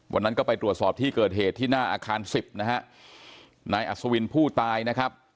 วันนั้นก็ไปตรวจสอบที่เกิดเหตุที่หน้าอาคารสิบนะฮะนายอัศวินผู้ตายนะครับ